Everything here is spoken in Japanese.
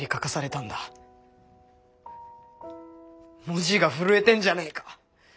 文字が震えてんじゃねえか。